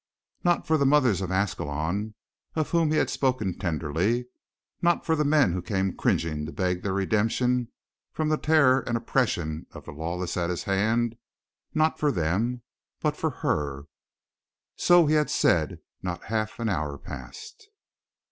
Not for the mothers of Ascalon, of whom he had spoken tenderly; not for the men who came cringing to beg their redemption from the terror and oppression of the lawless at his hand. Not for them. But for her. So he had said not half an hour past.